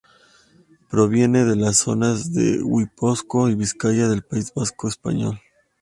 Proviene de las zonas de Guipúzcoa y Vizcaya del País Vasco español.